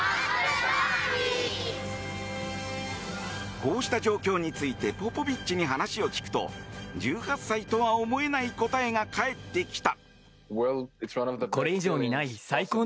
こうした状況についてポポビッチに話を聞くと１８歳とは思えない答えが返ってきた。